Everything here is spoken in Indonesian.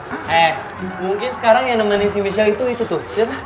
eh mungkin sekarang yang nemenin si michelle itu itu tuh siapa